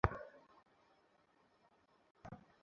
আমি বলব, শুধু লম্বা সময় ট্রেনিং নয়, আমাদের বিদেশেও ট্রেনিং দরকার।